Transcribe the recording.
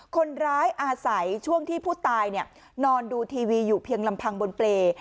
คนร้ายอาศัยช่วงที่ผู้ตายนอนดูทีวีอยู่เพียงลำพังบนเปรย์